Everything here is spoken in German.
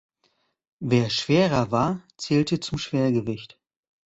Wer schwerer war, zählte zum Schwergewicht.